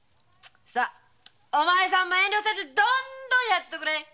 さお前さんも遠慮せずどんどんやっとくれ！